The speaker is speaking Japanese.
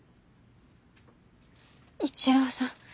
一郎さん